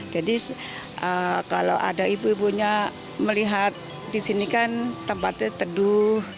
jadi kalau ada ibu ibunya melihat di sini kan tempatnya teduh